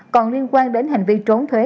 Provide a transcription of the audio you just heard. còn liên quan đến hành vi trốn thuế